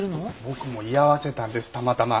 僕も居合わせたんですたまたま。